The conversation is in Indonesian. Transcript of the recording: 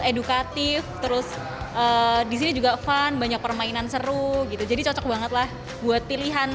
edukatif terus disini juga fun banyak permainan seru gitu jadi cocok bangetlah buat pilihan